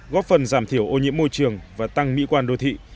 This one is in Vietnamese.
góp phần giảm thiểu ô nhiễm môi trường và tăng mỹ quan đô thị